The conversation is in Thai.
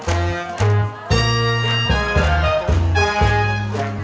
ผู้ชายสายแบ๊วมานี่ก่อน